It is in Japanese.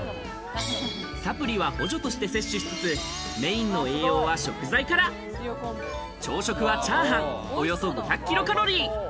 サプリは補助として摂取しつつ、メインの栄養は食材から朝食はチャーハンおよそ５００ｋｃａｌ。